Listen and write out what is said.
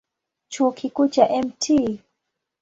Chuo Kikuu cha Mt.